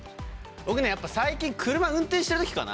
僕ね、やっぱ最近、車運転してるときかな。